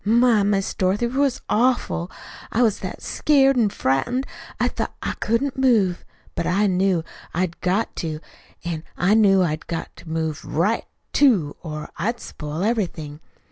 My, Miss Dorothy, 'twas awful. I was that scared an' frightened I thought I couldn't move. But I knew I'd got to, an' I knew I'd got to move RIGHT, too, or I'd spoil everything.